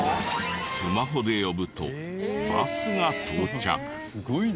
スマホで呼ぶとバスが到着。